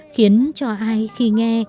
khiến cho ai khi nghe